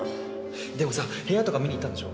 でもさ部屋とか見に行ったんでしょ？